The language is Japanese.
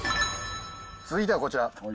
続いてはこちら。